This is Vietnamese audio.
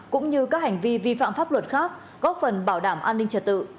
cũng như các hành vi vi phạm pháp luật khác góp phần bảo đảm an ninh trật tự